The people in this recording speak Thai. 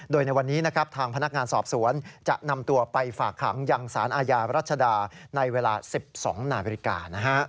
โดยในวันนี้นะครับทางพนักงานสอบสวนจะนำตัวไปฝากขังยังสารอาญารัชดาในเวลา๑๒นาฬิกา